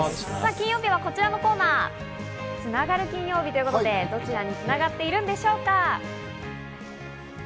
金曜日はこちらのコーナー、つながる金曜日ということで、どちらにつながっているんでしょうか？